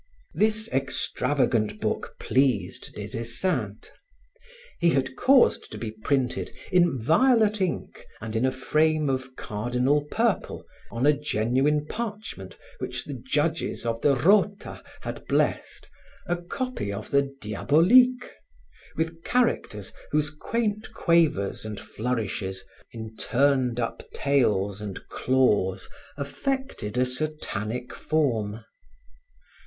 This extravagant book pleased Des Esseintes. He had caused to be printed, in violet ink and in a frame of cardinal purple, on a genuine parchment which the judges of the Rota had blessed, a copy of the Diaboliques, with characters whose quaint quavers and flourishes in turned up tails and claws affected a satanic form.